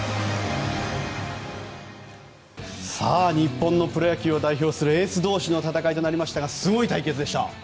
日本のプロ野球を代表するエース同士の戦いとなりましたがすごい対決でした。